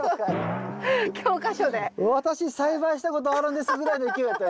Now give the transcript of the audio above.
私栽培したことあるんですぐらいの勢いだったよ